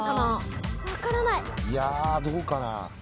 いやどうかな。